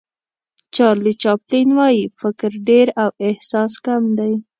چارلي چاپلین وایي فکر ډېر او احساس کم دی.